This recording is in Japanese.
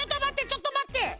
ちょっとまって！